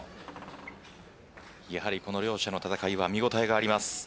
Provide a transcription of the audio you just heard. やはりこの両者の戦いは見応えがあります。